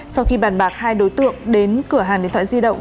sau khi bàn bạc hai đối tượng đến cửa hàng điện thoại di động